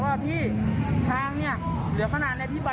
แล้วครับตอนนี้นะคะเค้าโทรหาคนในซอยไหนครับ